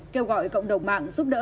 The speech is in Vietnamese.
kêu gọi cộng đồng mạng giúp đỡ